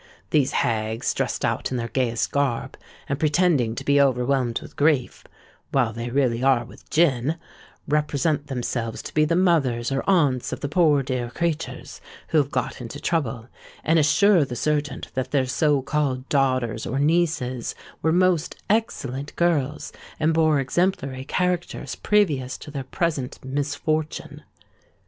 These hags, dressed out in their gayest garb, and pretending to be overwhelmed with grief (while they really are with gin), represent themselves to be the mothers or aunts of the 'poor dear creatures' who have got into trouble, and assure the surgeon that their so called daughters or nieces were most excellent girls and bore exemplary characters previous to their present 'misfortune.'